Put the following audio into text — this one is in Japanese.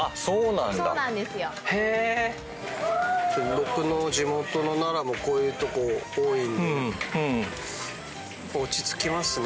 僕の地元の奈良もこういうとこ多いんで落ち着きますね。